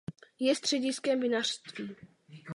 Je střediskem vinařství.